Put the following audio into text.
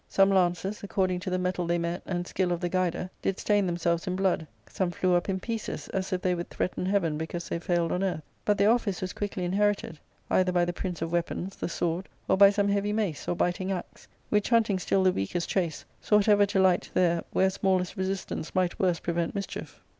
Some lances, ac^ cording to the metal they met and skill of the guider, did stain themselves in blood ; some flew up in pieces, as if they would threaten heaven because they failed on earth; but their office was quickly inherited, either by the prince of weapons — the sword — or by some heavy mace, or biting axe, which, hunting still the weakest chase, sought ever to light there where smallest resistance might worst prevent mischief.